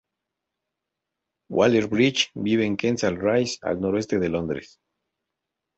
Waller-Bridge vive en Kensal Rise, al noroeste de Londres.